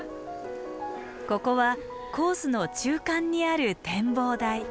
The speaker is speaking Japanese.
ここはコースの中間にある展望台。